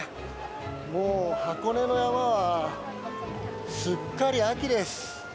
もう箱根の山は、すっかり秋です。